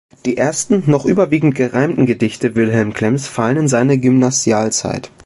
Die ersten, noch überwiegend gereimten Gedichte Wilhelm Klemms fallen in seine Gymnasialzeit.